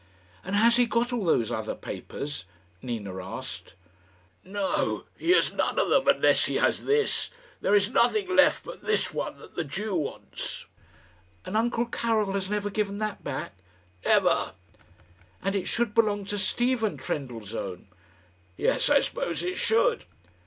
"And has he got all those other papers?" Nina asked. "No! he has none of them, unless he has this. There is nothing left but this one that the Jew wants." "And uncle Karil has never given that back?" "Never." "And it should belong to Stephen Trendellsohn?" "Yes, I suppose it should."